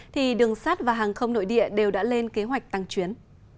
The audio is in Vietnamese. thì đường sát và hàng không nội địa đều đã lên kế hoạch tăng chuyến